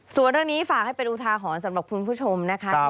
ส่วนเรื่องนี้ฝากให้เป็นอุทาหรณ์สำหรับคุณผู้ชมนะคะ